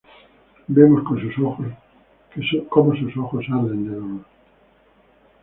Vemos como sus ojos arden de dolor.